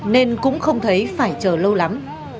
nên cũng không thấy phải chờ lâu lắm